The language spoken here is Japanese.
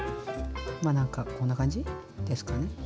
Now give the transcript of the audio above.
まあなんかこんな感じですかね。